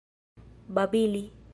babili